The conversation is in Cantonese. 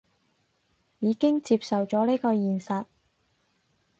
已經接受咗呢個現實